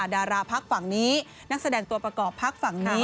ดาราพักฝั่งนี้นักแสดงตัวประกอบพักฝั่งนี้